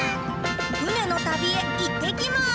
ふねのたびへいってきます。